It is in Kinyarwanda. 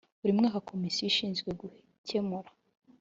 buri mwaka komisiyo ishizwe gukemura